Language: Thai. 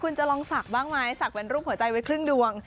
คุณจะลองศักดิ์บ้างไหมศักดิ์เป็นรูปหัวใจไว้ครึ่งดวง